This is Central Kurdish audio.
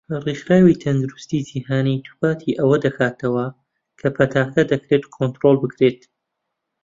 ڕێکخراوی تەندروستی جیهانی دووپاتی ئەوە دەکاتەوە کە پەتاکە دەکرێت کۆنترۆڵ بکرێت.